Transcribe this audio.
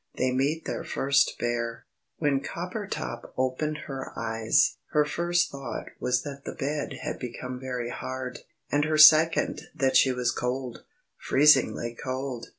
THEY MEET THEIR FIRST BEAR When Coppertop opened her eyes, her first thought was that the bed had become very hard, and her second that she was cold, freezingly cold.